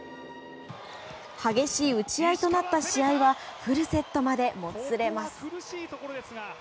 激しい打ち合いとなった試合はフルセットまでもつれます。